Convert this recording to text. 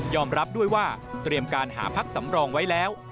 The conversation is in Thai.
รับด้วยว่าเตรียมการหาพักสำรองไว้แล้ว